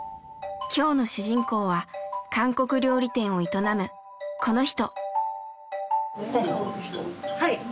今日の主人公は韓国料理店を営むこの人。